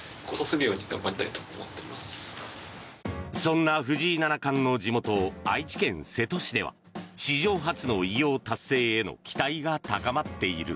そんな藤井七冠の地元愛知県瀬戸市では史上初の偉業達成への期待が高まっている。